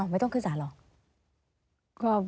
ไม่ต้องขึ้นสารหรอก